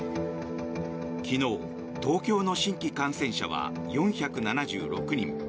昨日、東京の新規感染者は４７６人。